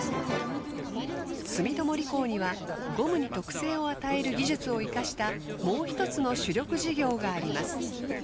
住友理工にはゴムに特性を与える技術を生かしたもう一つの主力事業があります。